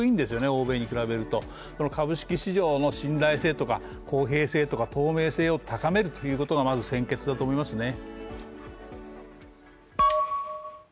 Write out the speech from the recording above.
欧米に比べるとその株式市場の信頼性とか公平性とか透明性を高めるということがまず先決だと思いますね。